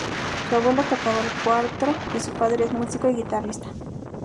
Su abuelo tocaba el cuatro y su padre es músico y guitarrista.